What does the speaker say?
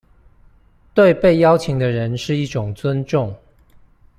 對被邀請的人是一種尊重